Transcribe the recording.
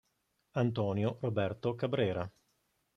Antonio Roberto Cabrera